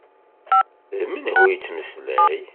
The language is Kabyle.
D menhu yettmeslay?